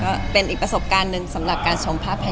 ก็เป็นอีกประสบการณ์หนึ่งสำหรับการชมภาพแห่ง